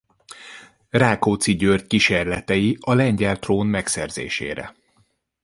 Rákóczi György kísérletei a lengyel trón megszerzésére.